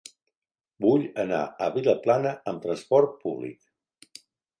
Vull anar a Vilaplana amb trasport públic.